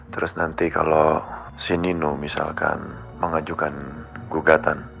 terus nanti kalau si nino misalkan mengajukan gugatan